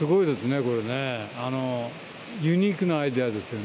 これねユニークなアイデアですよね。